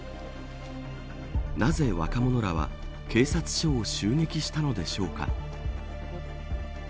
なぜ、若者らは警察署を襲撃したのでしょうか。